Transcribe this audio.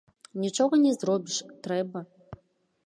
Нічога не зробіш, трэба.